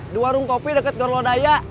baru kopi deket gorlodaya